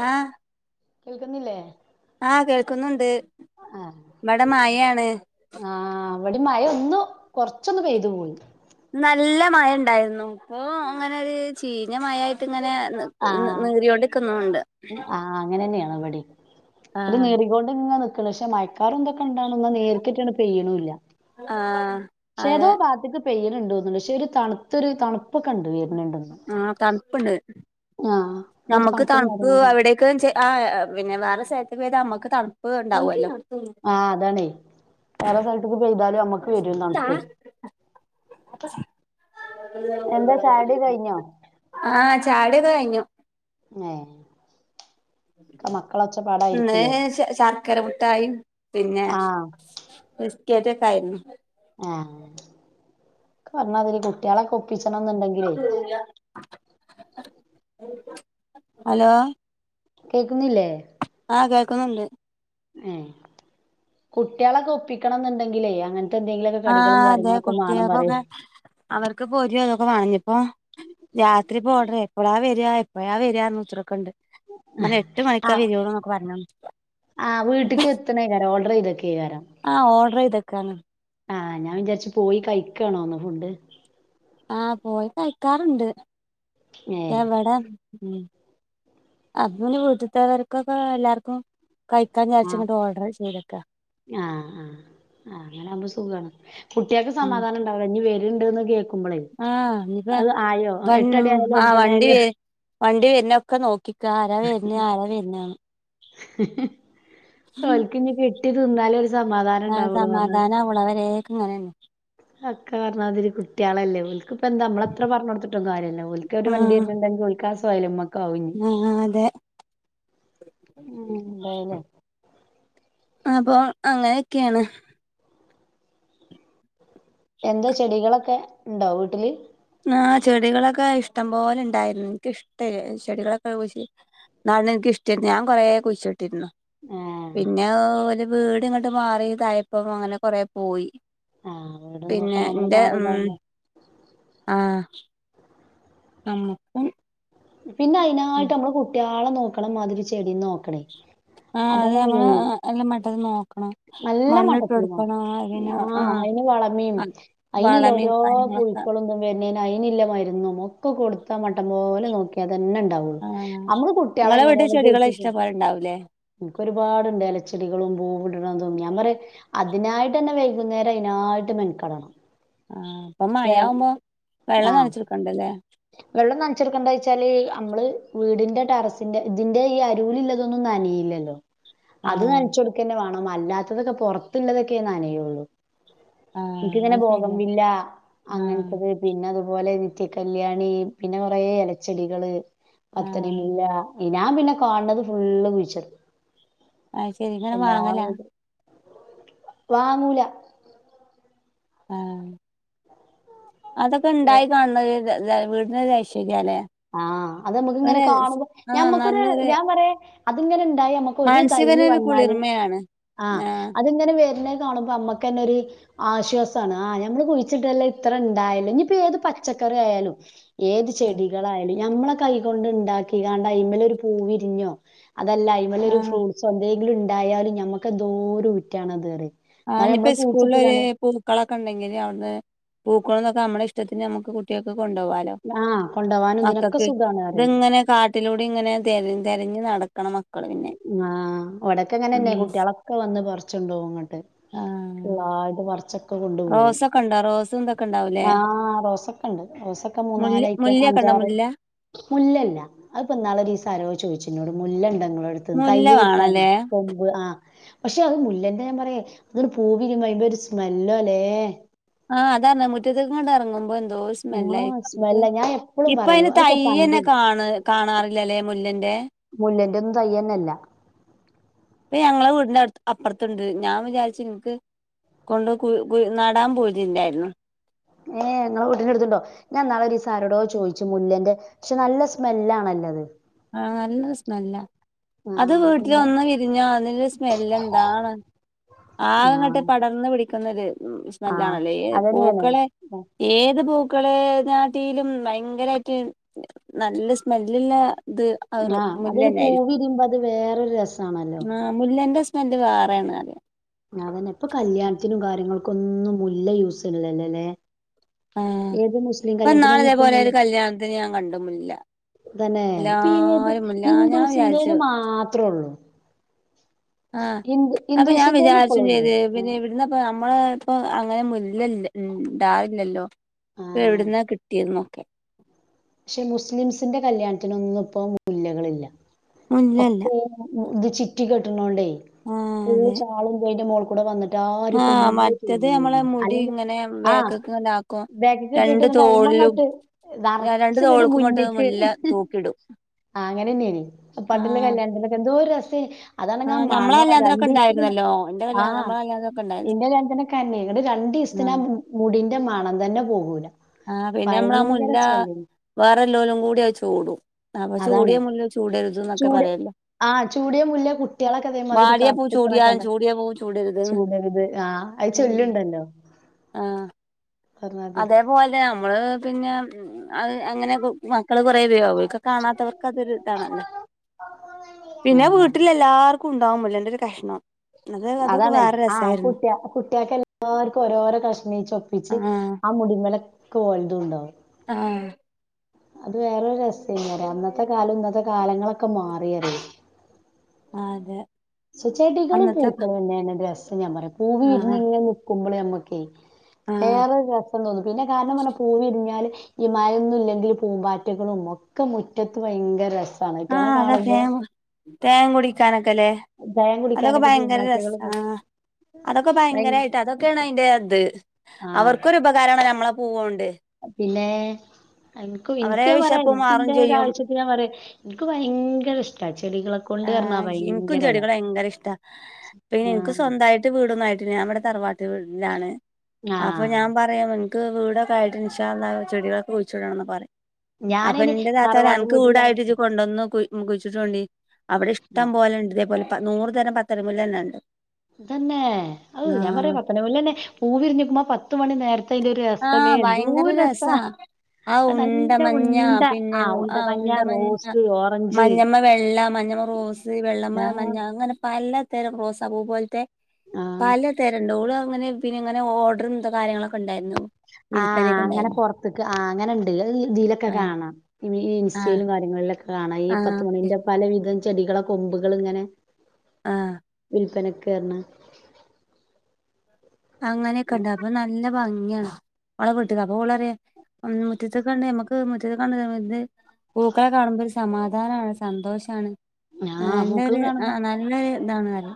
ആഹ കേൾക്കുന്നില്ലേ ആഹ് കേക്കുന്നുണ്ട് ഇവിടെ മായയാണ് അവിടെ മഴ ഒന്ന് കൊറച്ചൊന്ന് പെയ്തു പോയി നല്ല മഴ ഉണ്ടായിരുന്നു ഇപ്പൊ അങ്ങനെ ഒരു ചീഞ്ഞ മഴായിട്ട് ഇങ്ങനെ ആഹ് നേറൊണ്ടിരിക്കുന്നണ്ട്. [unintelligible] ആഹ് അങ്ങനെ തന്നെയാണ് ഇവിടെ ഒരു ആഹ് നേറികൊണ്ട് ഇങ്ങ നിക്ക പക്ഷെ മ കാറ് എന്തൊക്കെ ഉണ്ട നേരിട്ടാണ് പെയ്യണില്ല ആഹ് പക്ഷേതോ.. അതെ പെയ്യ്ണ് ണ്ട് തോന്ന്ണ്ട് പക്ഷെ ഒര് തണ്ത്തൊര് തണുപ്പൊക്കെ ഉണ്ട് വെ ആഹ് തൺപ്പ്ണ്ട്. ആഹ് ഇന്നൊരു നമുക്ക് തണുപ്പും തൺപ്പ് കാര്യങ്ങളൊക്കെ ഉണ്ട് അവിടേക്ക് ചെ ആ പിന്നെ വേറെ സെൽ ത്ത് പെയ്താ നമ്മക്ക് തൺപ്പ് ഇണ്ടാവു അല്ലോ ആഹ അതാണേ വേറെസ്ഥലത്ത്ക്ക് പെയ്താലും അമ്മക്ക് വരും തണുപ്പ്. എന്താ ചാടി കഴിഞ്ഞോ. ആഹ് ചായുടിക്കെ കഴിഞ്ഞു. ഏ. ഇന്ന് ശ ശർ ക്കര മുഠായിം പിന്നെ ആഹ് ബിസ്ക്കറ്റൊക്കെ ആയിരുന്നു. ആഹ് ഒക്കെ പറഞ്ഞാതിരി കു ട്ട്യളൊക്കെ ഒപ്പിച്ചണംന്ന്ണ്ടെങ്കിലേ അലോ കേക്ക്ന്നില്ലേ കേൾക്കുന്നുണ്ട് ഏഹ് കുട്ട്യളൊക്കെ ഒപ്പിക്കണം ന്ന്ണ്ടെങ്കിലേ അങ്ങൻ ആ അതെ കുട്ടികക്കൊക്കെ അവർക്ക് പോരി അതൊക്കെ വാണല്ലോ പ്. രാത്രി പോടേ. എപ്പളാ വെരാ എപ്പഴാ വെരാർഞ്ഞ് കുത്ത്ർക്ക്ണ്ട് ഞാപർഞ്ഞ് എട്ട്മണിക്കാ വരൊള്ളൂ ന്നൊക്കെ പറഞ്ഞ്ണ് ആ വീട്ടക്ക് എത്തണേക്കാരം ഓർഡർ ചെയ്തു കേക്കാരം ആഹ് ഓർഡർ ചെയ്തേക്കാണ് ആഹ് ഞാൻ വിചാരിച്ച് പോയി കഴിക്കാണോന്ന് ഫുഡ് ആഹ് പോയി കഴിക്കാറ്ണ്ട് ക്ഷെ ഏഹ് ഇവടെ ഉം അപ്പള് വീട്ട്ത്തവർകൊക്കെ എല്ലാർക്കും. കഴിക്കാൻ ആഹ് ജാരിച്ച്ങ്ങട്ട് ഓർഡർ ചെയ്തക്ക്അ ആഹ് കുട്ടികൾക്ക് സമാധാനംണ്ടാവില്ല ഇനി വേരുണ്ടന്ന് കേൾക്ക ആഹ് ഇഞ്ഞിപ്പ വണ് എട്ടടി ആയാലും ആ ഒമ്പണി വണ്ടി ആയാലും വെ വണ്ടി വരുന്ന ഒക്കെ നോക്കിക്കാ ആരാ വരുന് ആരാ വരുന്ന്ന്. ഓൽക്ക് ഇഞ്ഞ് കിട്ടിതിന്നാലോൽ ആ സമാധാനവുള്ളു അത് വരേക്കും ഇങ്ങനെന്നെ അക്ക പറഞ്ഞമാതിരി കുട്ട്യാളല്ലേ ഓൽക്പ്പെന്താ അമ്മള് എത്ര പറഞ്ഞൊട്ത്തിട്ടും കാര്യല്ല ഓൽക്ക് ഒരു വണ്ടി വര്നെണ്ടെങ്കി ഓൽക് കസസ് വയല്ല മ ആ ആഹ് അതെ ഉം എന്തായാലും അപ്പൊ അങ്ങനെയൊക്കെയാണ് എന്താ ചെടികളൊക്കെ ഇണ്ടോ വീട്ടില് ആ ചെടികളൊക്കെ ഇഷ്ടം പോലെ ഇണ്ടായിരുന്നു ഇൻക്ക് ഇഷ്ട ചെടികളൊക്കെ കുഴി എന്നാണ് ഇൻക്ക് ഇഷ്ടെനു ഞാൻ കൊറേ കുഴിച്ചിട്ടിര്ന്നു ആഹ് പിന്നെ വീട് ഇങ്ങെട്ട് മാറി ഇതായപ്പം അങ്ങനെ കൊറേ പോയി ആഹ് വീടും തൊക്കെ പിന്നെ നമ്മള് ഇന്റെ ഉം മാറിതാവുമ്പോ ആഹ് നമുക്കും പിന്നെ അയ്നായിട്ട് നമ്മള് കുട്ട്യേളെ നോക്ക്ണമാധിരി ചെടി ന്നോക്കണം ആഹ് അത് നമ്മള് എല്ല മട്ടത് നോക്കണം നല്ല മണ്ണിട്ടൊടുക്കണം അ [unintelligible] ആഹ് അയ്ന് വളെമെം അത് അയ്ന് ല്ലൊ [unintelligible] വളമേം കാര്യങ്ങളൊക്കെ ഔട്യോപുഴുക്കളൊന്നും വെ ന്നേന്ന് അയ്ന്ല്ല മരുന്നും ഒക്കെ കൊടുത്താ മട്ടം പോലെ നോക്കി തന്നെ ഇണ്ടാവൊള്ളു. ആഹ് അമ്മക്ക് കുട്ട്യേളെ നിങ്ങളെ വീട്ടിൽ എങ്ങനണ് ചെടികള് കുള്പ്പിച്ച് ഇഷ്ടം പോലെ ഉണ്ടാവൂലേ ഇൻക്ക് ഒരുപാട് ഇണ്ട് എലച്ചെടികളും പൂവ്ട്ണത് ഞാൻ പറയു അതിനായിട്ടെന്നെ വൈകുന്നേരം അയ്നായിട്ട് മെൻകെടണം ആഹ് അപ്പൊ മഴയാവുമ്പോ വെള്ളം ആഹ് നനച്ചടുക്കണ്ടലെ വെള്ളം നനച്ചെടുക്കണ്ടാ ച്ചാല് നമ്മള് വീടിന്റെ ടെറസിന്റെ ഇതിന്റെ ഈ അരൂല് ഇല്ലതൊന്നും നനീലല്ലോ. അത് ആഹ് നനച്ച് കൊടുക്കന്നെ വാണം. അല്ലാത്തതൊക്കെ പൊറത്തുള്ളതൊക്കെ നനയൊള്ളൂ ആഹ് ഇൻക്കിങ്ങനെ അത് പോഗം ശരിയാ വില്ല ആഹ് അങ്ങൻത്തത് പിന്നെ അതേപോലെ നിറ്റക്കല്യ കല്യാണി പിന്നെ കൊറേ എലച്ചെടികള് പത്തണി ആഹ് മുല്ല ഞാൻ പിന്നെ കാണ്ന്നത് ഫുള്ള് കുഴിചിടും ആഹ് ശെരി ഇങ്ങള് വാങ്ങല വാങ്ങൂല ഏഹ് അതൊക്കെ ഇണ്ടായി കാണ് ണത് [unintelligible] വിട്ടിന് ഒര് ഐശ്വര്യല്ലേ ആഹ് അത് നമ്മക്ക് ഇങ്ങനെ കാണുമ്പ ആഹ് ഞാമ്മക്കൊര് നല്ലൊരു ഞാൻ കൊറേ അതിങ്ങനെ ണ്ടായി നമക്ക് ഒരു തൈ മാനസികനൊരു വന്നാല് കുളിർമയാണ് ആഹ് അതിങ്ങനെ വെര്ന്ന കാണുമ്പ നമ്മക്കന്നെ ഒര് ആശ്വാസാണ് ആഹ് ഞമ്മള് കുഴിച്ചിട്ടല്ലെ ഇത്ര ഇണ്ടായല്ലൊ ഇനിപ്പ ഏത് പച്ചക്ക ക്കറിആയാലും ഏത് ചെടികളായാലും ഞമ്മളെ കൈകൊണ്ട് ഇണ്ടാക്കി അണ്ടയ്മ്മലൊരു പൂവിരിഞ്ഞോ അതല്ല അയ്മെലൊരു ആഹ് ഫ്രൂട്ട്സോ എന്തെങ്കിലും ഇണ്ടായാലും ഞമ്മക്ക് എന്തോരം ഊറ്റാണത് പറയും ആഹ് എന്നാലും ഇനിപ്പോ നമ്മള് സ്കൂളിൽ ഒരു കുഴിച്ചിട്ട്കാണ്ട് പൂക്കളൊക്കെ ഇണ്ടെങ്കില് അവിടന്ന് പൂ ക്കളുന്നൊക്കെ നമ്മടെ ഇഷ്ടത്തിന് നമ്മക്ക് കുട്ടികക്ക് കൊണ്ടാവാലോ ആഹ് കൊണ്ടോവാനും ഇതിനൊക്കെ മക്കക്ക് സുഖാണ് പറയും. ഇതിങ്ങനെ കാട്ടിലൂ ടെ ഇങ്ങനെ തെരഞ്ഞ് തെരഞ്ഞ് നടക്കണം മക്കള് പിന്നെ ഉം ആഹ് ഉം അവിടക്കെങ്ങനെന്നെയ കുട്ടികളൊക്കെ വന്ന് പറച്ച്ണ്ടോകും ഇങ്ങട്ട് ആഹ് നന്നായിട്ട് പറിച്ചൊക്കെ കൊണ്ടു പോകും റോസൊക്കെ ഉണ്ടോ റോസും ഇതൊക്കെ ഉണ്ടാവൂലേ ആഹ് റോസെക്ക എണ്ട് റോസെക്ക മുല്ല മൂന്നാല് ഐറ്റം മുല്ലയൊക്കെ ഉണ്ടോ അഞ്ചാറ് മുല്ല മുല്ലല്ല അതിപ്പിന്നാളൊരീസം ആരോ ചോദിച്ചെന്നോട് മുല്ലണ്ട ഇങ്ങള അടുത്തന്ന് മുല്ല തയ്യ് കിട്ടാൻ വേണല്ലേ കൊമ്പ് ആഹ് പക്ഷെ അത് മുല്ലൻന്റെ ഞാൻ പറയാ അതൊട് പൂവിരിയുമ്പാ അയ്‌ന്റൊരു സ്മെല്ലോല്ലേ ആഹ് അതാണ് മുറ്റത്തേക്കിങ്ങട് ഇറങ്ങുമ്പോ എന്തോരു ആ സ്മെല്ലായിരിക്കും സ്മെല്ലാ [unintelligible] ഞാൻ എപ്പളും ഇപ്പ പറയും അതിന്റെ അതൊക്കെ പണ്ട് തയ്യന്നെ കാണ കാണാറില്ലല്ലെ മുല്ലന്റെ മുല്ലന്റൊന്നും തയ്യെന്നല്ല [unintelligible] ഞങ്ങളെ വീടിന്റെ അടു അപ്പറത്തുണ്ട് ഞാൻ വിചാരിച്ച് ഇങ്ങക്ക് കൊണ്ട് കു കു നടാൻ പോയിതിണ്ടായിരുന്നു ഏഹ് നിങ്ങളെ വീട്ടിന്റടുത്തുണ്ടോ ഞാൻ ഇന്നാളൊരീസം ആരോടോ ചോയിച്ചു മുല്ലന്റെ പക്ഷെ നല്ല സ്മെല്ലാണല്ലോ അത് ആഹ് നല്ല സ്മെല്ലാ ആ അത് എന്താ വീട്ടിലൊന്ന് വിരിഞ്ഞോ അതിന്റെ സ്മെല്ലെന്താണ് ആ ആകങ്ങട്ട് പടർന്ന് പിടി ക്കുന്ന ഒര് ആ സ്മെല്ലാണല്ലേ ഏഹ് അതന്നെയാണ് പൂക്കളെ ഏത് പൂ ക്കളെക്കാട്ടിലും ഭയങ്കരായിട്ട് നല്ല സ്മെല്ലിള്ള ഇത് അവര് ആ അതൊരു മുല്ലന്നെ പൂ ആയിരിക്കും വിരിയുമ്പോ അത് വേറൊരു രസാണല്ലോ ആഹ് മുല്ലേന്റെ സ് ന്നാന്റെ വേറേണ് അറിം. അതന്നെ ഇപ്പൊ കല്യാൺത്തിനും കാര്യങ്ങൾക്കൊന്നും മുല്ല യൂസെയ്യ്ണില്ലല്ലല്ലേ? ആഹ് ഏത് മുസ്ലിം ഇപ്പൊ ഇന്നാള് കല്യാൺത്തിനൊന്നും ഇപ്പം ഇതേപോലെ ഒരു മുല്ല കല്യാണത്തിന് ഞാൻ കണ്ടു മുല്ല തന്നെ പ്പേത് എല്ലാരും മുല്ല ഞാൻ ഹിന്ദൂസിന്റേന് വിചാരിച്ചു മാത്രള്ളൂ. ആഹ് അപ്പൊ ഞാൻ ഹിന്ദൂസിന്റേല് വിചാരിച്ചും ഇപ്പളും ഉണ്ട്. ചെയ്ത് പിന്നെ ആഹ് എവ്ടുന്നപ്പ നമ്മ ളെ ഇപ്പൊ അങ്ങനെ മുല്ല ഇല്ല ഇണ്ടാല്ലല്ലോ. ഇപ്പൊ എവ്ടുന്നാ കിട്ടിയന്നൊക്കെ. ശ്ശെ മുസ്ലിംസിന്റെ കല്യാൺത്തിനൊന്നും ഇപ്പം മുല്ലകളില്ല. മുല്ലല്ല ഒക്കെ ഇത് ചിറ്റി കെട്ട്ണോണ്ടേ ആഹ് ഫുള്ള് അതെ ഷാളും അയിന്റെ മോൾ ല്ലാരും പ്പം ആഹ് മുല്ല മറ്റത് നമ്മളെ ചൂടില്ലേനോ. മുടി അല്ലെങ്കി ഇങ്ങനെ ആഹ് ബേക്ക്ക്ക് ഇങ്ങനെ ആക്കും ബാക്ക്ക്ക് ഇട്ട്ട്ട് രണ്ട് [unintelligible] തോളിലും ന്നട്ട് നർ രണ്ട് ച്ച്ങ്ങട്ട് തോൾക്കും ഇങ്ങോട്ട് മുന്ന്ക്ക് മുല്ല തൂക്കിടും ആഹ് അങ്ങനെന്നേനി. പണ്ടുള്ള ആഹ് കല്യാൺത്തിനൊക്കെ എന്തോ രസ അതാണെങ്കി ആ ആഹ് നമ്മളെ മണോ കല്യാണത്തിനൊക്കെ രണ്ടീസ്ത്തിന് ഉണ്ടായിരുന്നല്ലോ എന്റെ കല്യാണം ആഹ് നമ്മളെ കല്യാണത്തിനൊക്കെ ഉണ്ടായിരുന്നു ഇന്റെ കല്യാൺത്തിനൊക്കെ അതെന്നേനി. രണ്ടീസ്ത്തിനാ ആഹ് ആ മുടീന്റെ മണം തന്നെ പോകൂല. ആഹ് പിന്നെ മ്മളാ ഭയങ്കര മുല്ല സ്മെല്ലിങ് വേറെല്ലോലും കൂടി അത് ചൂടും. ആഹ് അപ്പം അതാണ് ചൂടിയ മുല്ല ചൂടരത് ന്നൊക്കെ ചൂട് പറയല്ലോ. ആഹ് ചൂടിയ മുല്ല കുട്ട്യാളൊക്കെ ഇതേമാതിരി വാടിയ പൂ കറുപ്പിക്കണെ ചൂടിയാലും കണ്ട് ചൂടിയ പൂ ചൂടരുത് ചൂടരുത് ആഹ് അയ് ഉം ചൊല്ലുണ്ടല്ലോ. ആഹ് പറഞ്ഞാതിരി അതേപോലെ നമ്മള് പിന്നെ അത് അങ്ങനെ വ മക്കള് പറയില്ലിയോ അവർക്ക് കാണാത്തവർക്ക് അതൊര് ഇതാണല്ലോ. പിന്നെ ആഹ് വീട്ടിലെല്ലാർ ക്കും ഉണ്ടാവും മുല്ലന്റെരു കഷ്ണം. അത് അതൊക്കെ അതാണ് വേറെ ആഹ് രസായിരുന്നു കുട്ടിയ കുട്ട്യേക്ക് എല്ലാർക്കും ഓരോരോ കഷ്ണീച്ചെ ഒപ്പിച്ച് ആഹ് മുടിമ്മലൊക്കെ ഓൽതും ണ്ടാവും. ആഹ് അത് വേറേ ഒര് രസ്സേനി അറിയ അന്നത്തെ കാലം ഇന്നത്തെ കാലങ്ങളൊക്കെ മാറിയറി ആഹ് അതെ- സ് ചെടികളും അന്നത്തെ പൂക്കളും തന്നെന്നെ രസം ഞാൻ പറയാം പൂവ് ആഹ് വിരിഞ്ഞിങ്ങനെ നൽക്കുമ്പളേ നമ്മുക്കേ- ആഹ് [unintelligible] തോന്നുന്നു പിന്നെ കാരണം പറഞ്ഞാ പൂവിരിഞ്ഞാല് ഈ മഴയൊന്നും ഇല്ലെങ്കിൽ പൂമ്പാറ്റകളും ഒക്കെ മുറ്റത്ത് വ ഭയങ്കര രസ്- ആഹ് അങ്ങനെ തേൻ തേൻ കുടിക്കാനൊക്കെ അല്ലേ- ചായം അതൊക്ക കുടിക്കാനൊക്കെ ഭയങ്കര പൂമ്പാറ്റകള് രസാ- അതൊക്കെ ഭയ ഭയങ്കരമായിട്ട് അതൊക്കെയാണ് അതിന്റെ അത് അവർക്കൊരു ഉപകാരമാണ് നമ്മള്- പിന്നേ എനിക്കും അവരെ എനിക്ക് ഞാൻ പറയാ വിശപ്പ് മാറും എനിക്കിന്റെ ഒരു ചെയ്യും ആവശ്യത്തിന് ഞാൻ പറയാ- എനിക്ക്‌ ഭയങ്കര ഇഷ്ടാ ച് ആഹ് എനിക്കും ചെടികൾ ഭയങ്കര ഇഷ്ടാ പിന്നെ എനിക്ക് ആഹ് സ്വന്തായിട്ട് വീടൊന്നും ആയിട്ടില്ല ഞാനിവിടെ- തറവാട്ട് വീടിലാണ് അപ്പോ ആഹ് ഞാൻ പറയ- എനിക്ക് വീടൊക്കെ ആയിട്ട് ഇൻഷാ അല്ലാഹ് ചെടികളൊക്കെ കുഴിച്ചിടണന്ന് പറയും- അപ്പം ഞാനയ്ന് എന്റെ താത്ത പറയും തറവാട്ട് അനക്ക് വീട്ടിലാണ് വീടായിട്ട് ഇത് കൊണ്ടൊന്ന് കുഴി കുഴിച്ചിട്ടുണ്ടേ അവിടെ ആ ഇഷ്ടം പോലുണ്ട് ഇതേപോലെ പ നൂറ് തരം പത്തനമുല്ല തന്നെ ഉണ്ട്- തന്നേ ഓഹ് ഞാൻ പറയും പത്തനമുല്ല തന്നെ പൂവിരിഞ്ഞിക്കുമ്പോ ആഹ് പത്ത് മണി നേരത്ത് അതിന്റെ- ഒരു രസല്ലേ ആഹ് ഭയങ്കര എന്തോരു രസാ- ആഹ് അത് ഉണ്ട നല്ല മഞ്ഞ ഉണ്ട പിന്നെ ആ ആഹ് മഞ്ഞ ഉണ്ട മഞ്ഞ റോസ് ഓറഞ്ച് മഞ്ഞമ്മേ വെള്ള മ ഞ്ഞ റോസ് വെള്ളമ്മേ ആ മഞ്ഞ അങ്ങനെ പ- എല്ലാത്തരം റോസാ പൂ പോലത്തെ ആ പലതരം ഉണ്ട് ഓള്- അങ്ങനെ പിന്നെ ഇങ്ങനെ ഓർഡറും അങ്ങത്തെ കാര്യങ്ങളൊക്കെ ഉണ്ടായിരുന്നു- ആഹ് വിൽപ്പനയൊക്കെ അങ്ങനെ ഉണ്ടായിരുന്നു പുറത്ത്ക്ക് ആഹ് അങ്ങനെ ഉണ്ട് ഇതിലൊക്കെ ആഹ് കാണാം ഇതി ആഹ് ഇൻസ്റ്റയിലും കാര്യങ്ങളിലൊക്കെ- കാണാം ഈ ആഹ് പത്തുമണീന്റെ പലവിധം ചെടികളെ കൊമ്പുകളിങ്ങനെ- ആഹ്- വിപ്പനക്ക് [unintelligible] അങ്ങനെയൊക്കെയിണ്ടാവോ നല്ല ഭം [unintelligible] പൂക്കളെ കാണുമ്പോരു സമാധാനാണ് സന്തോഷാണ്. ആ നല്ലരു ആ നല്ലൊരു ഇതാണ് റിം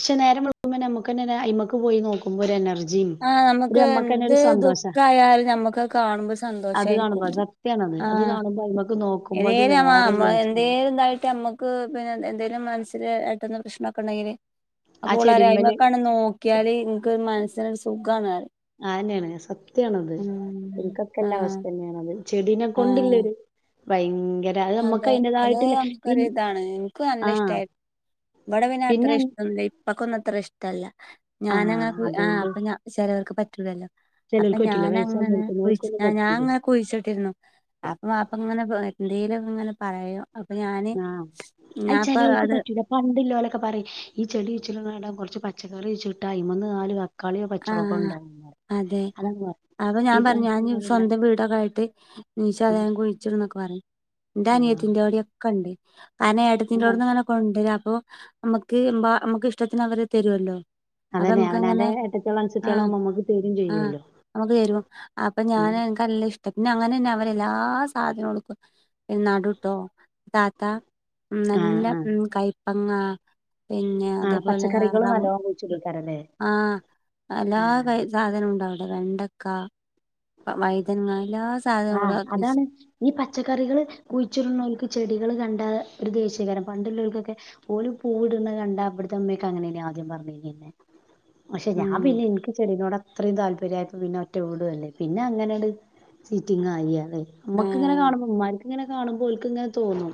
ക്ഷേ നേരം വെളുമ്പോ നമുക്കെന്നെ അയ്മക്ക് പോയി നോക്കുമ്പോ ഒരു എനർ ആ നമുക്ക് എന്ത് ദുഖായാലും നമ്മുക്ക് അഹ് കാണുമ്പോ അത് കാണുമ്പോ സന്തോഷമായിരിക്കും. സത്യാണത് അത് കാണുമ്പോ അയ്മക്ക് നോക്കുമ്പോ അത് വേറൊരു ആഏതേലുംമ്മ രസാണ് എന്തേലുംതായിട്ട് നമ്മക്ക് പിന്നെ എന്തേലും മൻ സ് ല് [unintelligible] പ്രശ്നൊക്കെ ഉണ്ടെങ്കില് ആ അപ്പൊ ഓളറിയ ചെടിമ്മല് അയ്മക്കണ് നോക്കിയല് ഇൻക് മനസിന് ആയെന്നെണ് സത്യണത് ഉം ഇൻക്കൊക്കെ ഇല്ല ആഹ് അവസ്ഥയെണത്. ചെടിനെ ആഹ് കൊണ്ടില്ലെരു ഭയ അതെ അത് നമുക്കൊരു ഇതാണ് ഇൻക് നല്ല ആഹ് ഇഷ്ടായി ഇബടെ പിന്നെ അത്ര ഇഷ്ട്ടം ന്നുല്ല പ്പക്കൊന്നും അത്ര ഇഷ്ടല്ല ഞാനങ്ങെ ആഹ് ആ അതോണ്ട് അപ്പൊ ഞാ ചിലവർക്ക് പറ്റൂലല്ലോ? അപ്പൊ ചെലോൽക്ക് പറ്റൂല ഞാൻങ്ങനെ വയസ്സാന്നോൽക്കൊന്നും കുയ്ച്ച് ഓൽക്കൊന്നും പറ്റൂലേ ഞാൻങ്ങനക്കെ കുഴിച്ചിട്ടിരുന്നു. അപ്പൊ വാപ്പ ഇങ്ങനെ എന്തേലും ഇങ്ങനെ പറയും അപ്പൊ ഞാന് ആ അഹ് ഞാൻപ്പ ചെലോൾക്ക് അത് പറ്റൂല പണ്ട് ല്ലോലൊക്കെ പറയും ഈ ചെടികുയിച്ച് ട്ണേടം കൊറച്ച് പച്ചക്കറി കുയ്ച്ചിട്ടാ അയ്മന്ന് നാല് കാ ആ അതെ അതങ്ങ് പറിം അപൊ ഞാൻ ഈ പറുഞ്ഞ് ഞാൻ വയസ്സാന്നോല്ണ്ടായ സ്വന്തം വീടൊക്കെ ആയിട്ട് ഇൻശാ അല്ല ആഹ് ഞാൻ കുഴിച്ചിടുംന്നൊക്കെ പറഞ്ഞു. ന്റെ നിയത്തിന്റെ ഓടൊക്കെ ഇണ്ട്. ആയെന്നെ ആഹ് ഏട്ടത്തിന്റോട്ന്ന് അങ്ങനെ കൊണ്ടുരാ അപ്പൊ ഞമ്മക്ക് എമ്പാ നമ്മുക്ക് ഇഷ്ടത്തിന് അവര് തേരോലോ. അതന്നെ അവനാന്റെ ഏട്ടത്തിയാളും അൻസ ആ ആഹ് ഞമ്മക്ക് തരു അപ്പൊ ഉം ഞാൻ ഇൻക്ക് നല്ല ഷ് ഷ്ട പിന്നെ അങ്ങനെന്നെ അവരെ എല്ലാ സാധനങ്ങൾക്കും നടും ട്ടോ താത്ത മം ആഹ് നല്ല ആഹ് മം കയ്പങ്ങ. പിന്നെ അതെ ആഹ് പോലെ പച്ചക്കറികള് റം നല്ലോണം കുഴിച്ചിടേക്കാരല്ലേ ആ എല്ലാ ആഹ് കൈ സാധനനോം ഇണ്ടവിടെ വെണ്ടക്ക വൈതനങ്ങായി ആ അതാണ് ഈ പച്ചക്കറികൾ കുഴിച്ചിട്നോൽക്ക്. ചെടികൾ കണ്ടാ ഒരു ദേശയിക്കാരം പണ്ടുള്ളോൽക്കൊക്കെ ഓല് പൂവ്ട്ണെ കണ്ട ഇവ്ട്ത്തെ ഇമ്മയൊക്കെ അങ്ങനെ ആ ദ്യം പറഞ്ഞിനേ ഇന്നേ പക്ഷെ ഉം ഞാൻ പിന്നെ ഇൻക്ക് ചെടിനോട് അത്രീം താല്പര്യമായപ്പോ പിന്നെ ഒറ്റ വിടു ല്ലേ പിന്നെ അങ്ങനെയാട്ട് സീറ്റിംഗ് ആയി അല്ലെ നമ്മക്ക ഇങ്ങനെ ആഹ് കാണുമ്പോ ഇമ്മാര്ക്ക് ഇങ്ങനെ കാണുമ്പോൾ ഓൽക്ക് ഇങ്ങനെ തോന്നും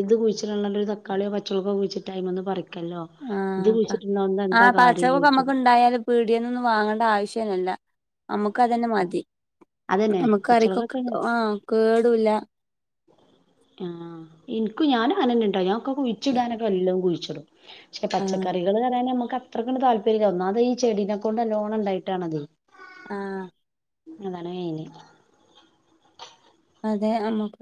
ഇത് കുഴിച്ചിട്ണ ഒരു തകാളിയോ പച്ചളകോ കുഴിച്ചിട്ട അയ്മന്ന് പറി ക്കല്ലോ ഇത് ആഹ് പ കുയിച്ചിട്ടൊണ്ട് എന്താ ആഹ് കാര്യം പച്ചക്കൊക്കെ ചോയിച്ചു. നമ്മക്ക് ഇണ്ടായാല് നമ്മക്ക് അതന്നെ മതി അതന്നെ ഞമ്മക്ക് കറിക്കൊക്കെ പച്ചമുളകൊക്കെ ആ കേടൂല്ല. ആ ഇൻക്ക് ഞാൻ അനന് ട്ടോ ഞാൻ ഒക്കെ കുഴിച്ചിടാനൊക്കെ എല്ലം കുഴിച്ച് പക്ഷെ ആഹ് പച്ചക്കറികൾ പറയാന് ഞമ്മക്ക് അ ത്രക്കാണ്ട്താല്പര്യല്ല ഒന്നാമത് ഈ ചെടീനെ ക്കൊണ്ട് നല്ലോണം ഇണ്ടായിട്ടാണത്. ആ അതാണ് മെയ്ന് അതെ അമുക്ക്